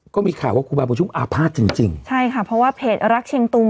ก็มีข่าวว่าครูบาบุญชุมอาภาษณ์จริงจริงใช่ค่ะเพราะว่าเพจรักเชียงตุง